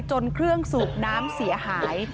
เครื่องสูบน้ำเสียหาย